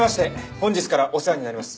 本日からお世話になります